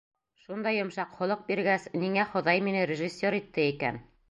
Шундай йомшаҡ холоҡ биргәс, ниңә Хоҙай мине режиссер итте икән?